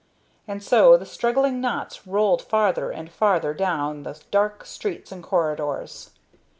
And so the struggling knots rolled farther and farther down the dark streets and corridors.